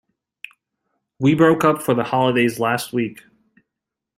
We broke up for the holidays last week